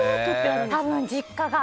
多分、実家が。